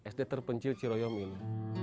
sd terpencil ciroyong ini